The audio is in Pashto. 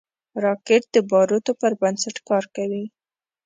راکټ د بارودو پر بنسټ کار کوي